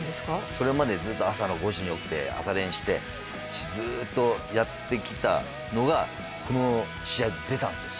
それまでずっと朝の５時に起きて朝練してずっとやってきたのがその試合で出たんですよ